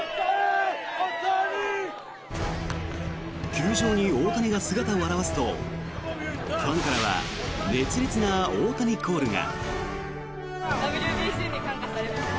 球場に大谷が姿を現すとファンからは熱烈な大谷コールが。